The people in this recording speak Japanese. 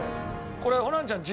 これホランちゃん